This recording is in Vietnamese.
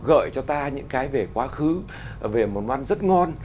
gợi cho ta những cái về quá khứ về món ăn rất ngon